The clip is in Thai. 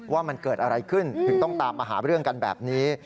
ว่ามันเกิดอะไรขึ้นถึงต้องตามมาหาเรื่องกันแบบนี้